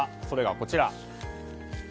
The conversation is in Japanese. それが、こちら。